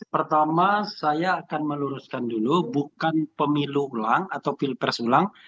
pertama saya akan meluruskan dulu bukan pemilu ulang atau pilpres ulang